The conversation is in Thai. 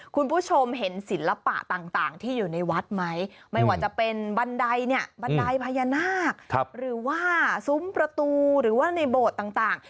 คุณผู้ชมเห็นศิลปะต่างที่อยู่ในวัดไหมไม่ว่าจะเป็นบันไดเนี่ยบันไดพญานาคหรือว่าซุ้มประตูหรือว่าในโบสถ์ต่าง